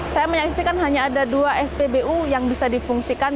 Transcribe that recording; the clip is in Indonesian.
saya menyaksikan hanya ada dua spbu yang bisa difungsikan